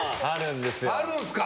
あるんですか。